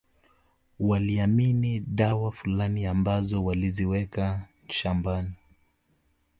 Waliamini dawa fulani ambazo waliziweka shambani